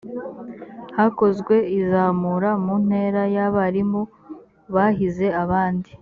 hakozwe izamura mu ntera y’abarimu bahize abandi